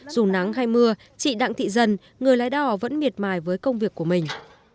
dù nắng hay mưa chị đặng thị dân người lái đò vẫn miệt mài với công việc của mình